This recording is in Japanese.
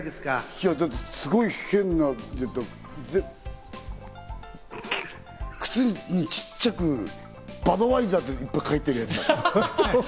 いや、だって変な、靴にちっちゃく、バドワイザーっていっぱい書いてるやつ。